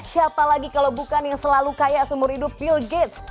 siapa lagi kalau bukan yang selalu kaya seumur hidup bill gates